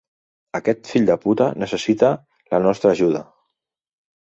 Aquest fill de puta necessita la nostra ajuda.